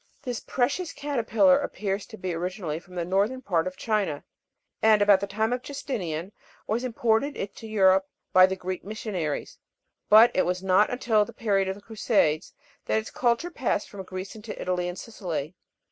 27. This precious caterpillar appears to be originally from the northern part of China, and, about the time of Justinian, was imported into Europe by the Greek missionaries; but it was not until the period of the Crusades that its culture passed from Greece into Italy and Sicily.